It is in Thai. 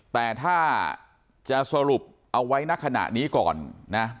แต่ถ้าจะสรุปเอาไว้ณขณะนี้ก่อนนะ